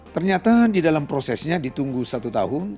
ternyata di dalam prosesnya ditunggu satu tahun